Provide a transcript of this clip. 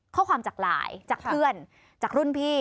ข้อความจากไลน์จากเพื่อนจากรุ่นพี่